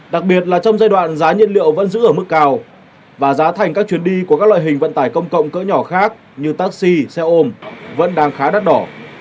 đặc biệt là trong giai đoạn giá nhiên liệu vẫn giữ ở mức cao và giá thành các chuyến đi của các loại hình vận tải công cộng cỡ nhỏ khác như taxi xe ôm vẫn đang khá đắt đỏ